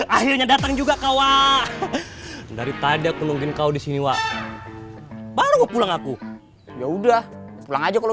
akhirnya datang juga kawah dari tadi aku mungkin kau disini wa baru pulang aku ya udah pulang aja